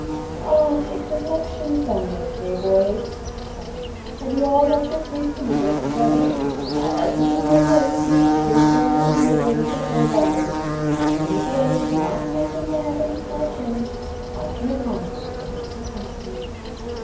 "A it's a collection Sunday to day, boys," he said. "Have you all got your threepenny bits ready? I like to see my boys give cheerfully and liberally of their abundance. If any boy does not happen to have any small change, I can accommodate him if he comes to me."